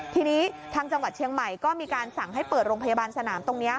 ทีนี้ทางจังหวัดเชียงใหม่ก็มีการสั่งให้เปิดโรงพยาบาลสนามตรงนี้